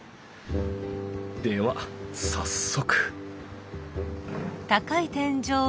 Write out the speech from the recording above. では早速！